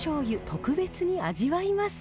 特別に味わいます。